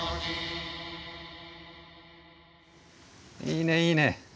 いいねいいね。